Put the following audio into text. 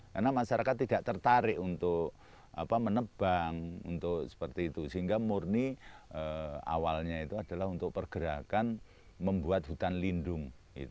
karena masyarakat tidak tertarik untuk menebang sehingga murni awalnya itu adalah untuk pergerakan membuat hutan lindung